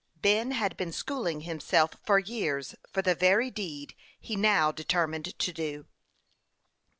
Ben had been schooling himself for years for the very deed he now determined to do.